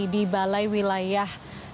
di balai wilayah